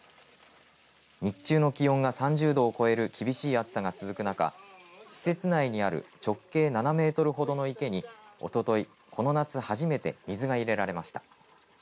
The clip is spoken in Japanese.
日中の気温が３０度を超える厳しい暑さが続く中施設内にある直径７メートルほどの池におととい、この夏初めて水が入れられました。